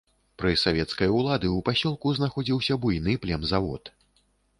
Пры савецкай улады ў пасёлку знаходзіўся буйны племзавод.